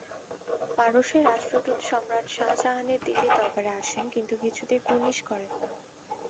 পারস্যের রাষ্ট্রদূত সম্রাট শাজাহানের দিল্লির দরবারে আসেন কিন্তু কিছুতেই কুর্নিশ করেন না।